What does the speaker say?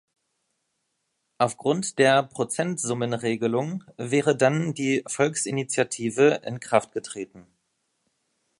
Aufgrund der Prozentsummenregelung wäre dann die Volksinitiative in Kraft getreten.